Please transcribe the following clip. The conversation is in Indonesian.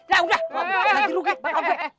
yaudah nanti rugi bakal gue